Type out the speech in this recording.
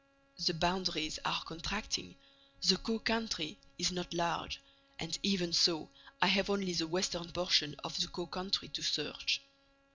The boundaries are contracting. The Caux country is not large; and, even so, I have only the western portion of the Caux country to search."